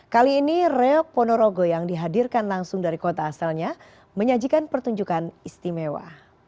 kali ini reok ponorogo yang dihadirkan langsung dari kota asalnya menyajikan pertunjukan istimewa